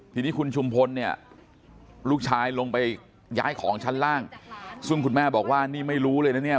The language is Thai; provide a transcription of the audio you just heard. ทีนี้คุณชุมพลเนี่ยลูกชายลงไปย้ายของชั้นล่างซึ่งคุณแม่บอกว่านี่ไม่รู้เลยนะเนี่ย